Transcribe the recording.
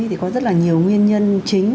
thì có rất là nhiều nguyên nhân chính